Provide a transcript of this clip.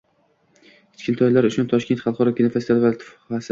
Kichkintoylar uchun Toshkent xalqaro kinofestivali tuhfasi